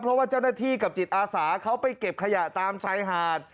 เพราะว่าเจ้าหน้าที่กับจิตอาสาเขาไปเก็บขยะตามชายหาด